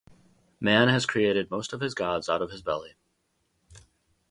Man has created most of his gods out of his belly.